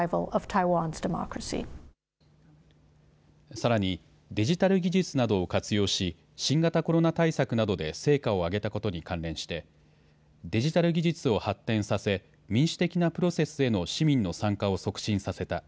さらにデジタル技術などを活用し新型コロナ対策などで成果を上げたことに関連してデジタル技術を発展させ民主的なプロセスへの市民の参加を促進させた。